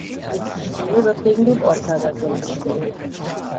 Dieses Spiel wird gegen den Uhrzeigersinn gespielt.